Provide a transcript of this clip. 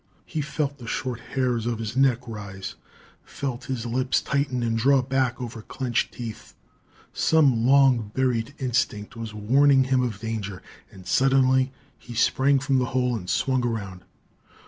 He felt the short hairs on his neck rise; felt his lips tighten and draw back over clenched teeth. Some long buried instinct was warning him of danger and suddenly he sprang from the hole and swung around.